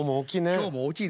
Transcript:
今日も大きいね。